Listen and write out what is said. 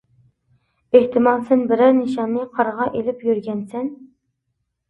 ئېھتىمال سەن بىرەر نىشاننى قارغا ئېلىپ يۈرگەنسەن.